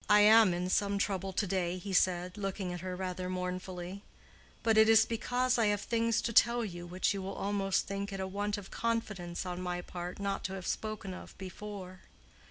"I am in some trouble to day," he said, looking at her rather mournfully; "but it is because I have things to tell you which you will almost think it a want of confidence on my part not to have spoken of before.